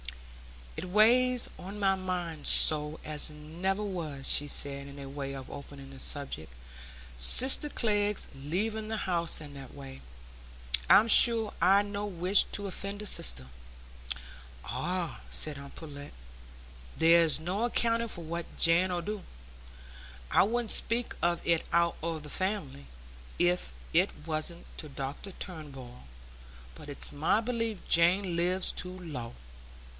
"It weighs on my mind so as never was," she said, by way of opening the subject, "sister Glegg's leaving the house in that way. I'm sure I'd no wish t' offend a sister." "Ah," said aunt Pullet, "there's no accounting for what Jane 'ull do. I wouldn't speak of it out o' the family, if it wasn't to Dr Turnbull; but it's my belief Jane lives too low.